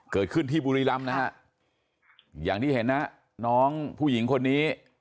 เกิดขึ้นที่บุรีรำนะฮะอย่างที่เห็นนะฮะน้องผู้หญิงคนนี้